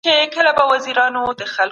همکاري د بریا بنسټ دی.